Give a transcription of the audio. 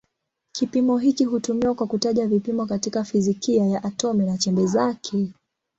Kipimo hiki hutumiwa kwa kutaja vipimo katika fizikia ya atomi na chembe zake.